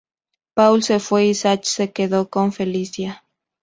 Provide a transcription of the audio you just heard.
Paul se fue y Zach se quedó con Felicia.